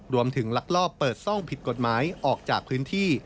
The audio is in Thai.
ลักลอบเปิดซ่องผิดกฎหมายออกจากพื้นที่